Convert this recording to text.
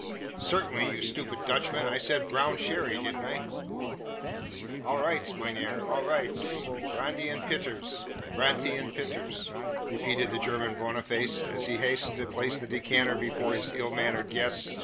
"Certainly, you stupid Dutchman! I said brown sherry, didn't I?" "All rights, mein herr; all rights! Prandy und pitters prandy und pitters," repeated the German Boniface, as he hastened to place the decanter before his ill mannered guest.